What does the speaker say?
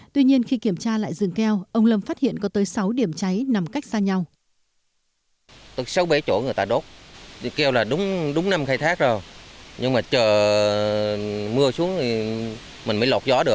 tuy nhiên khi kiểm tra lại rừng keo ông lâm phát hiện có tới sáu điểm cháy nằm cách xa nhau